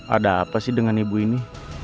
ada apa sih dengan ibu ini